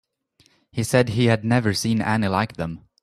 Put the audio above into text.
He said he had never seen any like them.